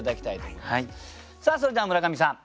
それでは村上さん